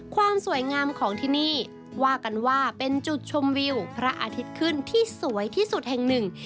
ความสวยงามของที่นี่ว่ากันว่าเป็นจุดชมวิวพระอาทิตย์ขึ้นที่สวยที่สุดแห่งหนึ่ง